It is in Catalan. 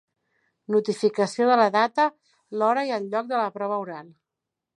Notificació de la data, l'hora i el lloc de la prova oral.